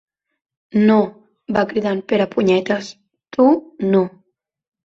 Nooo! —va cridar el Perepunyetes— Tu, no!